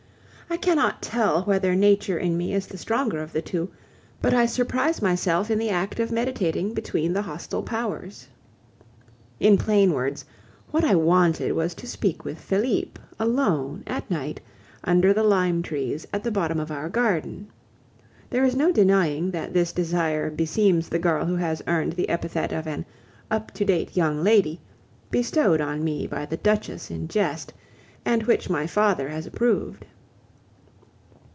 I cannot tell whether nature in me is the stronger of the two, but I surprise myself in the act of meditating between the hostile powers. In plain words, what I wanted was to speak with Felipe, alone, at night, under the lime trees at the bottom of our garden. There is no denying that this desire beseems the girl who has earned the epithet of an "up to date young lady," bestowed on me by the Duchess in jest, and which my father has approved.